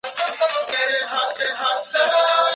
Recientemente Webb ya había adoptado el nombre de Gary Numan.